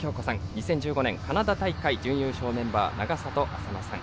２０１５年、カナダ大会準優勝メンバー永里亜紗乃さん。